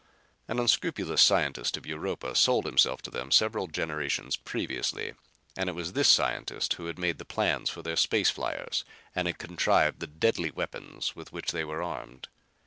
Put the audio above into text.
An unscrupulous scientist of Europa sold himself to them several generations previously and it was this scientist who had made the plans for their space fliers and had contrived the deadly weapons with which they were armed.